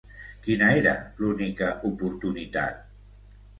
Quina era l'única oportunitat?